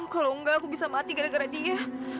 kalau enggak aku bisa mati gara gara dia